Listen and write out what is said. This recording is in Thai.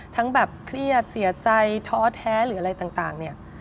ทั้งแบบเครียดเสียใจท้อแท้หรืออะไรต่าง